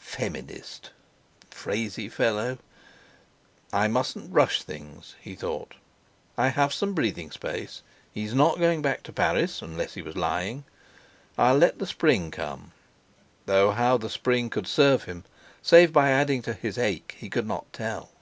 Feminist! Phrasey fellow! "I mustn't rush things," he thought. "I have some breathing space; he's not going back to Paris, unless he was lying. I'll let the spring come!" Though how the spring could serve him, save by adding to his ache, he could not tell.